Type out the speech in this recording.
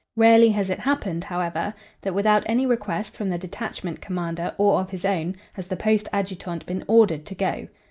Rarely has it happened, however, that, without any request from the detachment commander or of his own, has the post adjutant been ordered to go.